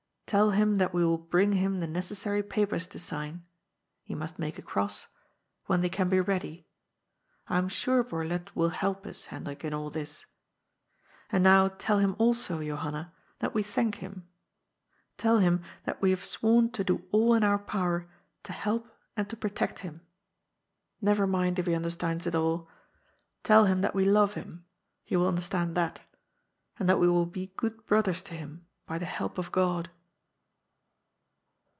Tell him that we wiU bring him the necessary papers to sign (he must make a cross) when they can be ready. I am sure Borlett will help us, Hendrik, in all this. And now tell him also, Johanna, that we thank him. Tell him that we have sworn to do all in our power to help and to protect him. Never mind if he understands it all. Tell him that HENDBIK'S TEMPTATION. 137 we love him ; he will understand that. And that we will be good brothers to him, by the help of God."